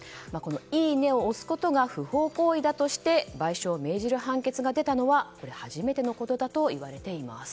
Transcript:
いいねを押すことが不法行為だとして賠償を命じる判決が出たのは初めてのことだといわれています。